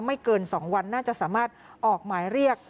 ไม่เกิน๒วันน่าจะสามารถออกหมายเรียก